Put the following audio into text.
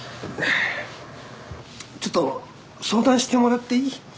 ちょっと相談してもらっていい？